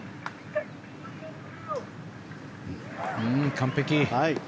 完璧。